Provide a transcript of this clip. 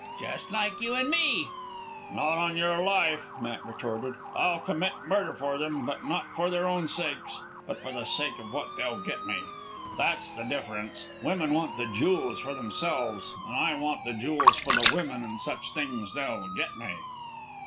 "Just like you an' me." "Not on your life," Matt retorted. "I'll commit murder for 'em, but not for their own sakes, but for sake of what they'll get me. That's the difference. Women want the jools for themselves, an' I want the jools for the women an' such things they'll get me."